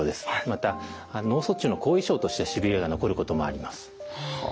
また脳卒中の後遺症としてしびれが残ることもあります。